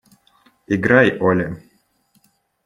Играй, Оля!